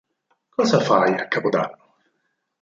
Cosa fai a Capodanno?